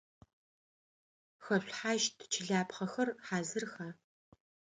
Хэшъулъхьащт чылапхъэхэр хьазырха?